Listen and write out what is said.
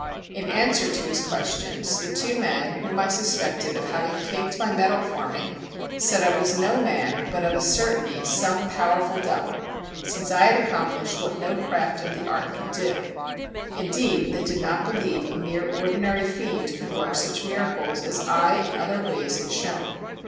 In answer to his questions, the two men whom I suspected of having caked my metal for me said I was no man, but of a certainty some powerful devil, since I had accomplished what no craft of the art could do; indeed, they did not believe a mere ordinary fiend could work such miracles as I in other ways had shown.